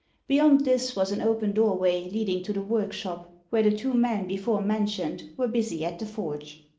Beyond this was an open doorway leading to the workshop, where the two men before mentioned were busy at the forge.